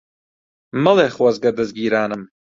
مەڵێ خۆزگە دەزگیرانم